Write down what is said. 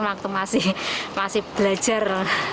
waktu masih belajar